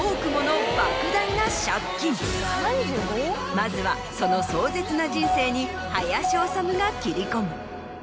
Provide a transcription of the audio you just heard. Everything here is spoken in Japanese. まずはその壮絶な人生に林修が切り込む。